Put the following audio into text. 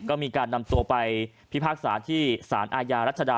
ก็มีการนำตัวไปพิพากษาที่สารอาญารัชดา